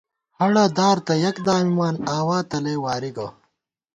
ہَڑہ دار تہ یَک دامِمان ، آوا تلَئ واری گہ